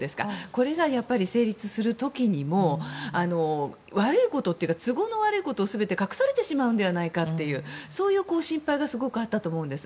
これが成立する時にも悪いことというか都合の悪いことを全て隠されてしまうのではないかというすごくあったと思うんです。